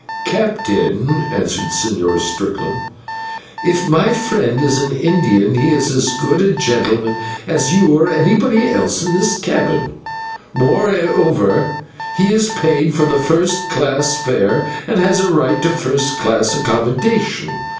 "Captain," answered the Señor Strickland, "if my friend is an Indian, he is as good a gentleman as you or anybody else in this cabin; moreover, he has paid for a first class fare and has a right to first class accommodation.